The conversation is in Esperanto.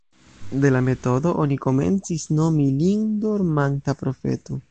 De la metodo oni komencis nomi lin dormanta profeto.